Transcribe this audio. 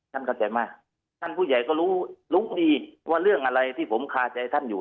เข้าใจมากท่านผู้ใหญ่ก็รู้รู้ดีว่าเรื่องอะไรที่ผมคาใจท่านอยู่